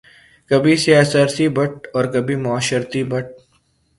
کبھی سیاسی بت اور کبھی معاشرتی بت